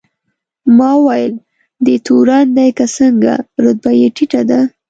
ما وویل: دی تورن دی که څنګه؟ رتبه یې ټیټه ده.